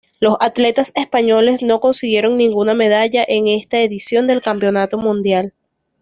Los atletas españoles no consiguieron ninguna medalla en esta edición del Campeonato Mundial.